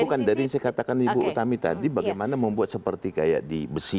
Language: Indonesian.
bukan dari yang saya katakan ibu utami tadi bagaimana membuat seperti kayak di besi